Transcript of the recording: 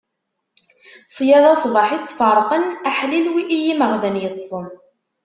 Ṣṣyada, ṣbaḥ i tt-ferqen; aḥlil i yimeɣban yeṭṭsen.